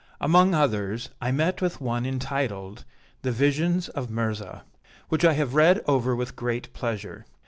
Among others, I met with one entitled, "The Visions of Mirzah," which I have read over with great pleasure.